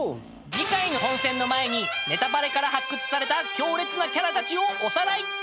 ［次回の本戦の前にネタパレから発掘された強烈なキャラたちをおさらい！］